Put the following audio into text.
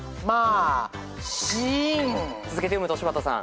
続けて読むと柴田さん。